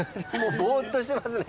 ぼーっとしてますね。